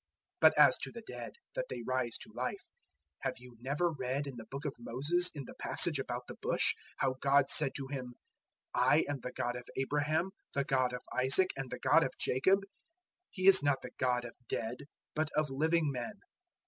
012:026 But as to the dead, that they rise to life, have you never read in the Book of Moses, in the passage about the Bush, how God said to him, 'I am the God of Abraham, the God of Isaac, and the God of Jacob?' 012:027 He is not the God of dead, but of living men.